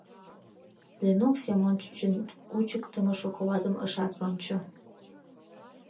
Ленук Семон чӱчӱн кучыктымо шоколадым ышат рончо.